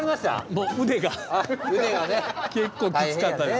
もう腕が結構きつかったです。